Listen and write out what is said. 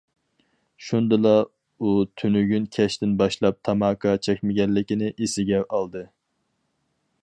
شۇندىلا ئۇ تۈنۈگۈن كەچتىن باشلاپ تاماكا چەكمىگەنلىكىنى ئېسىگە ئالدى.